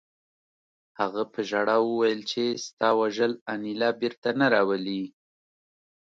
هغه په ژړا وویل چې ستا وژل انیلا بېرته نه راولي